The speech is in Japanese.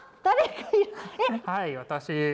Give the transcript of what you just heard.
はい、私。